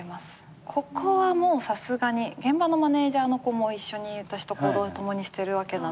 ここはもうさすがに現場のマネジャーの子も一緒に私と行動を共にしてるわけなので。